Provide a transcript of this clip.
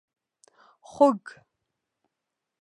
🐖 خوګ